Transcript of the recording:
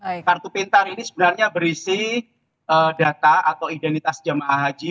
smart card ini sebenarnya berisi data atau identitas jemaah haji